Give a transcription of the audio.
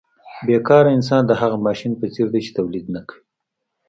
بې کاره انسان د هغه ماشین په څېر دی چې تولید نه کوي